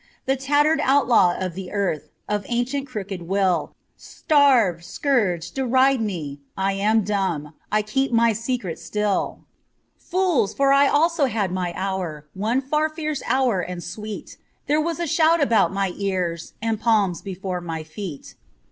The tattered outlaw of the earth. Of ancient crooked will, Starve, scourge, deride me : I am dumb, I keep my secret still. Fools, for I also had my hour, One far fierce hour and sweet, There was a shout about my ears And palms before my feet.